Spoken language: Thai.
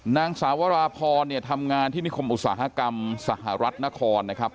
นางสาวราพรเนี่ยทำงานที่นิคมอุตสาหกรรมสหรัฐนครนะครับ